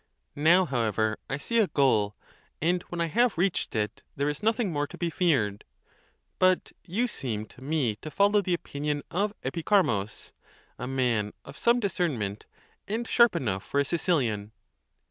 Now, however, I see a goal, and when I have reached it, there is nothing more to be feared ; but you seem to me to follow the opinion of Epicharmus,' a man of some discernment, and sharp enough for a Sicilian.